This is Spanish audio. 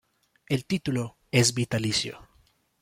El título es vitalicio.